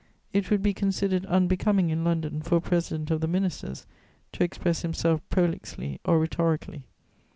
It would be considered unbecoming in London for a president of the ministers to express himself prolixly or rhetorically.